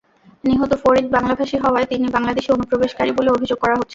নিহত ফরিদ বাংলাভাষী হওয়ায় তিনি বাংলাদেশি অনুপ্রবেশকারী বলে অভিযোগ করা হচ্ছে।